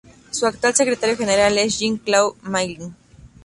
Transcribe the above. Su actual secretario general es Jean-Claude Mailly.